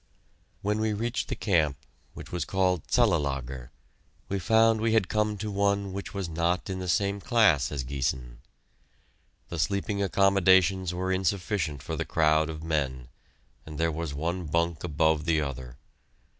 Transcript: When we reached the camp, which was called Cellelager, we found we had come to one which was not in the same class as Giessen. The sleeping accommodations were insufficient for the crowd of men, and there was one bunk above the other.